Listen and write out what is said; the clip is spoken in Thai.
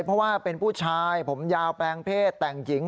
เพราะว่าเป็นผู้ชายผมยาวแปลงเพศแต่งหญิง